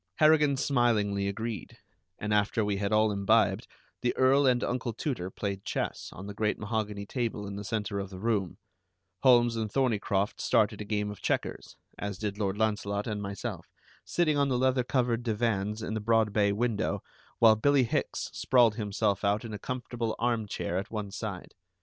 Harrigan smilingly agreed, and after we had all imbibed, the Earl and Uncle Tooter played chess on the great mahogany table in the center of the room; Holmes and Thorneycroft started a game of checkers, as did Lord Launcelot and myself, sitting on the leather covered divans in the broad bay window, while Billie Hicks sprawled himself out in a comfortable arm chair at one side.